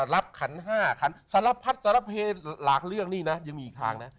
ขัน๕ขันสารพัดสารเพศหลากเรื่องนี่นะยังมีอีกทางนะ